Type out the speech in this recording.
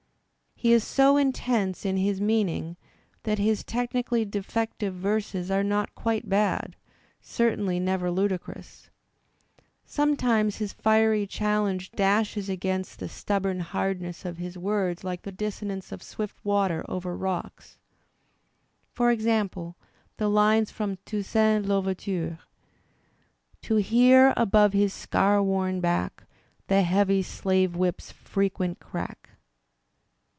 He is so intense in his meaning that his technically . defective verses are not quite bad, certainly never ludicrous. Sometimes his fiery challenge dashes against the stubborn Digitized by Google 114 THE SPIRIT OP AMERICAN LITERATURE hardness of his words like the dissonance of swift water over rocks. Por example the lines from "Toussaint L'Ouver^ ture'*: To hear above his scar worn back The heavy slave whip's frequent crack.